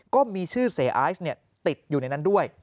ก็มีชื่อเสียไอซ์ติดอยู่ในนั้นด้วย